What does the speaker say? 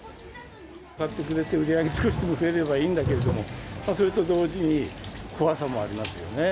買ってくれて売り上げ少しでも増えればいいんだけれども、それと同時に、怖さもありますよね。